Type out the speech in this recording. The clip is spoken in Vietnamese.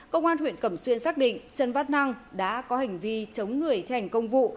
công an huyện cẩm xuyên xác định chân bắt năng đã có hành vi chống người thảnh công vụ